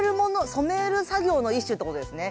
染める作業の一種ってことですね。